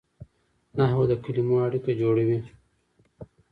نحوه د کلیمو اړیکه جوړوي.